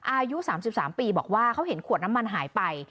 อายุ๓๓ปีบอกว่าเขาเห็นขวดน้ำมันหายไป